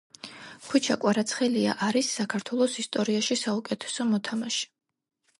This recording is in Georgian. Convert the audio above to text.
ხვიჩა კვარაცხელია არის საქართველოს ისტორიაში საუკეთესო მოთამაშე